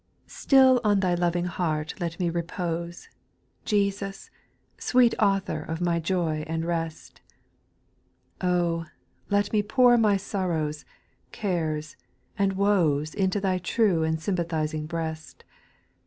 QTILL on thy loving heart let me repose, O Jesus, sweet Author of my joy and rest ; Oh I let me pour my sorrows, cares, and woes Into Thy true and sympathising breast.